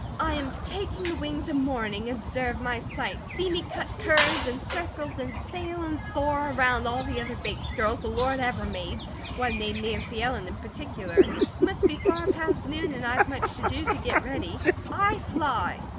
"I am 'taking the wings of morning,' observe my flight! See me cut curves and circles and sail and soar around all the other Bates girls the Lord ever made, one named Nancy Ellen in particular. It must be far past noon, and I've much to do to get ready. I fly!"